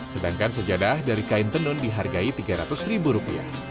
sedangkan sajadah dari kain tenun dihargai tiga ratus ribu rupiah